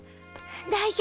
代表